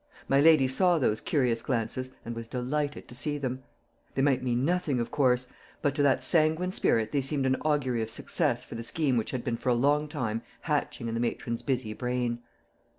My lady saw those curious glances, and was delighted to see them. They might mean nothing, of course; but to that sanguine spirit they seemed an augury of success for the scheme which had been for a long time hatching in the matron's busy brain.